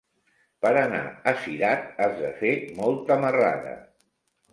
Per anar a Cirat has de fer molta marrada.